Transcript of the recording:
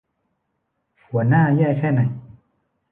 หัวหน้าแย่แค่ไหน